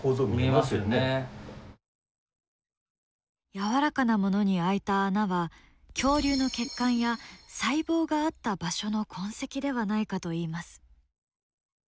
やわらかなものに開いた穴は恐竜の血管や細胞があった場所の痕跡ではないかといいます。